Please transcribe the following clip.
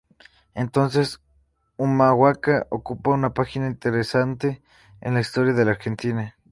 Entonces Humahuaca ocupa una página interesante en la Historia de la Argentina.